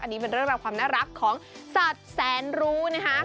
อันนี้เป็นเรื่องราวความน่ารักของสัตว์แสนรู้นะคะ